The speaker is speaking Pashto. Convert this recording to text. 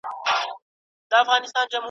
تر قیامته به روان وي « میرو» مل درته لیکمه .